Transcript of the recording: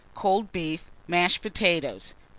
Cold beef, mashed potatoes. 3.